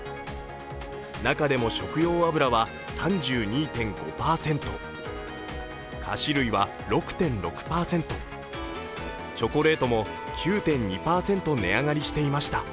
中でも食用油は３２．５％、菓子類は６．６％、チョコレートも９．２％値上がりしていました。